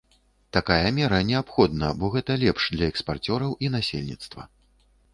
Такая мера неабходна, бо гэта лепш для экспарцёраў і насельніцтва.